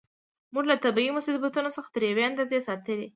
موږ له طبیعي مصیبتونو څخه تر یوې اندازې ساتي.